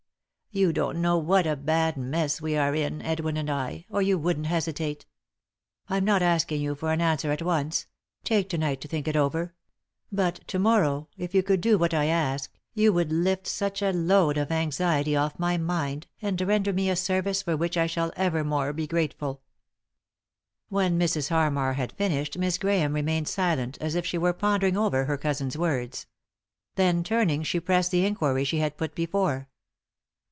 You don't know what a bad mess we are in, Edwin and I, or you wouldn't hesitate. I'm not asking you for an answer at once ; take to night to think it over ; but, to morrow, if you could do what I ask, you would lift such a load of anxiety off my mind, and render me a service for which I shall ever more be grateful." When Mrs. Harmar had finished Miss Grahame remained silent, as if she were pondering over her cousin's words. Then turning, she pressed the inquiry she had put before.